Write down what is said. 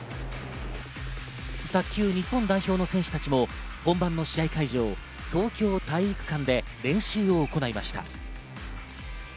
卓球日本代表の選手たちも本番の試合会場、東京体育館で練習を行いました。